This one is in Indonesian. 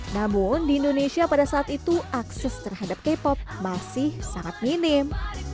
namun di indonesia pada saat itu akses terhadap k pop masih sangat minim